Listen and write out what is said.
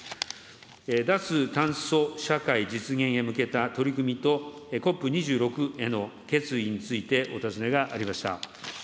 脱炭素社会実現へ向けた取り組みと、ＣＯＰ２６への決意についてお尋ねがありました。